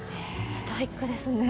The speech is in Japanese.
ストイックですね。